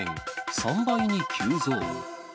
３倍に急増。